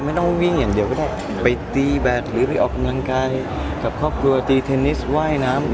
ไม่ต้องวิ่งอย่างเดียวก็ได้ไปตีแบตหรือไปออกกำลังกายกับครอบครัวตีเทนนิสว่ายน้ำ